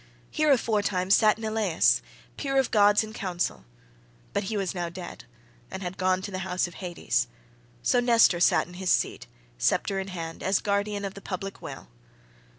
Here aforetime sat Neleus, peer of gods in counsel, but he was now dead, and had gone to the house of Hades; so Nestor sat in his seat sceptre in hand, as guardian of the public weal.